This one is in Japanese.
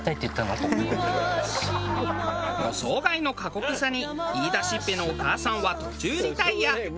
予想外の過酷さに言いだしっぺのお母さんは途中リタイア。